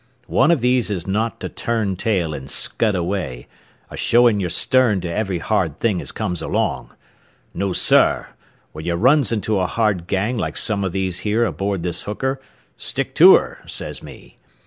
One of these is not to turn tail and scud away, a showin' your stern to every hard thing as comes along. No, sir, when ye runs into a hard gang like some o' these here aboard this hooker, stick to her, says me.